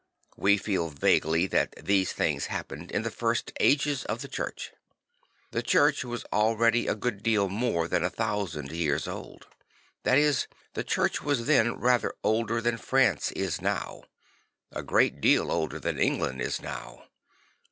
We feel vaguely that these things happened in the first ages of the Church. The Church was already a good deal more than a thousand years old. That is, the Church was then rather older than France is now, a great deal older than England is now.